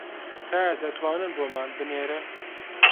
تکایە دەتوانن بۆمان بنێرن